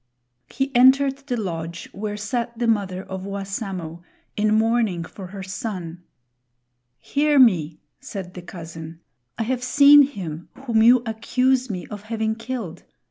He entered the lodge where sat the mother of Wassamo in mourning for her son. "Hear me," said the cousin. "I have seen him whom you accuse me of having killed.